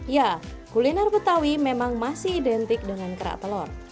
ya kuliner betawi memang masih identik dengan kerak telur